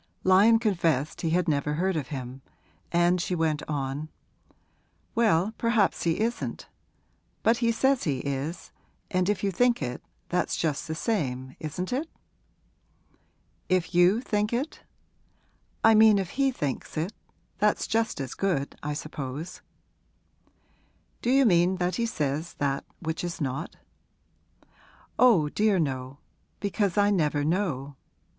Lyon confessed he had never heard of him, and she went on, 'Well, perhaps he isn't; but he says he is, and if you think it, that's just the same, isn't it?' 'If you think it?' 'I mean if he thinks it that's just as good, I suppose.' 'Do you mean that he says that which is not?' 'Oh dear, no because I never know.